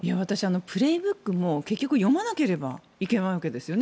「プレイブック」も結局、読まなければいけないわけですよね